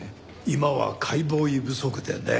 今は解剖医不足でね。